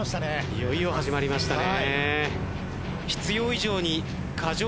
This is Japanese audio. いよいよ始まりましたね。